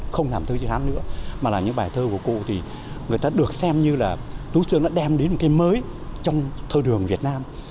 không làm thơ chữ hát nữa mà là những bài thơ của cụ thì người ta được xem như là tú sương đã đem đến cái mới trong thơ đường việt nam